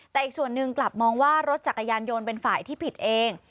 แต่อีกส่วนหนึ่งกลับมองว่ารถจักรยานยนต์เป็นฝ่ายที่ผิดเอง